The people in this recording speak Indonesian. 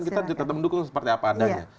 kita tetap mendukung seperti apa adanya